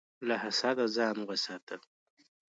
له حسده ځان وساته.